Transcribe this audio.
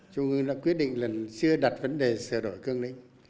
trung ương đã quyết định lần xưa đặt vấn đề sửa đổi cương lĩnh